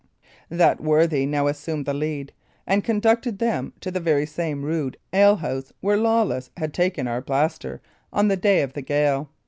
That worthy now assumed the lead, and conducted them to the very same rude alehouse where Lawless had taken Arblaster on the day of the gale.